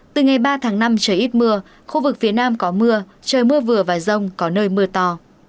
từ ngày ba tháng năm trời ít mưa khu vực phía nam có mưa trời mưa vừa và rông có nơi mưa to